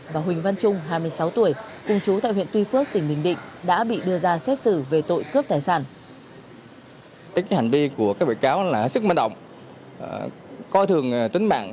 và huỳnh văn trung hai mươi sáu tuổi cùng chú tại huyện tuy phước tỉnh bình định đã bị đưa ra xét xử về tội cướp tài sản